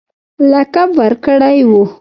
لقب ورکړی وو.